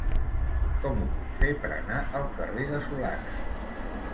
Com ho puc fer per anar al carrer de Solanes?